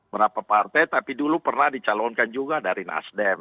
berapa partai tapi dulu pernah dicalonkan juga dari nasdem